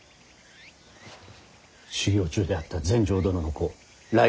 修行中であった全成殿の子頼